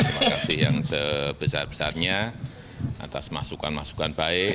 terima kasih yang sebesar besarnya atas masukan masukan baik